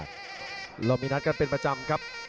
เรามีนัดกันเป็นประจำครับ